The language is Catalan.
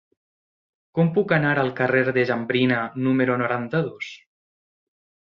Com puc anar al carrer de Jambrina número noranta-dos?